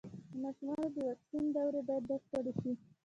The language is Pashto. د ماشومانو د واکسین دورې بايد بشپړې شي.